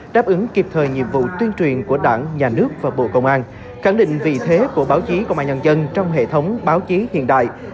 đáp ứng kịp thời nhiệm vụ tuyên truyền của đảng nhà nước và bộ công an khẳng định vị thế của báo chí công an nhân dân trong hệ thống báo chí hiện đại